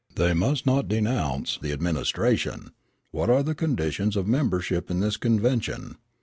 They must not denounce the administration. What are the conditions of membership in this convention?"